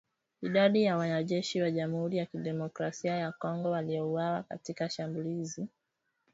Idadi ya wanajeshi wa Jamhuri ya kidemokrasia ya Kongo waliouawa katika shambulizi dhidi ya kambi zao haijajulikana.